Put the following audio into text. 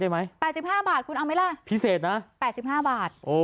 ได้ไหมแปดสิบห้าบาทคุณเอาไหมล่ะพิเศษนะแปดสิบห้าบาทโอ้โห